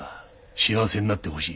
幸せになってほしい」。